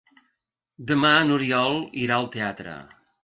Demà n'Oriol irà al teatre.